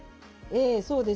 そうですね。